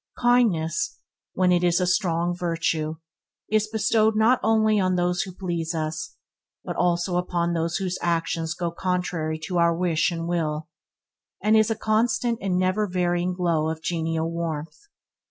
Kindness, when it is a strong virtue, is bestowed not only on those who please us, but also upon those whose actions go contrary to our wish and will, and it is a constant and never – varying glow of genial warmth.